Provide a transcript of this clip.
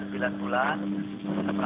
sembilan bulan kita merasakan